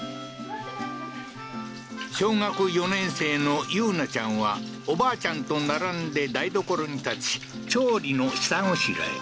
小学４年生の結菜ちゃんは、おばあちゃんと並んで台所に立ち調理の下ごしらえ。